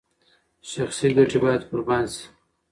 شخصي ګټې باید قربان شي.